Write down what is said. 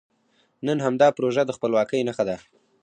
نن همدا پروژه د خپلواکۍ نښه ده.